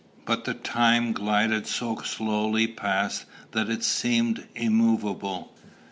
But the time glided so slowly past that it seemed immovable.